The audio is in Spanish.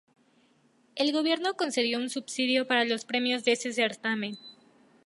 El gobierno concedió un subsidio para los premios de este certamen.